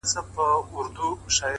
د انتظار خبري ډيري ښې دي ـ